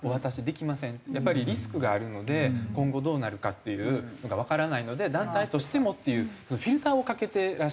やっぱりリスクがあるので今後どうなるかっていうのがわからないので団体としてもっていうフィルターをかけてらっしゃって。